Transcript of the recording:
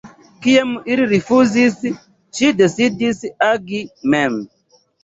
Kiam ili rifuzis, ŝi decidis agi mem.